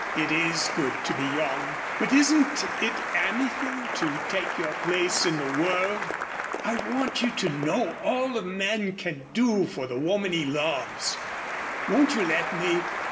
"It is good to be young. But isn't it anything to take your place in the world? I want you to know all a man can do for the woman he loves. Won't you let me?